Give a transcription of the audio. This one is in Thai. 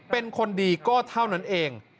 เป็นคนดีก็เท่านั้นเอง